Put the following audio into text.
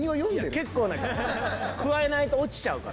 結構ねくわえないと落ちちゃうから。